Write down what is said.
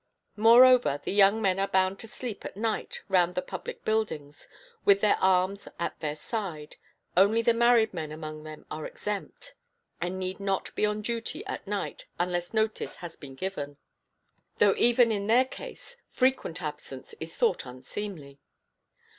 Moreover, the young men are bound to sleep at night round the public buildings, with their arms at their side; only the married men among them are exempt, and need not be on duty at night unless notice has been given, though even in their case frequent absence is thought unseemly.